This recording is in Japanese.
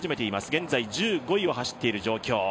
現在１５位を走っている状況。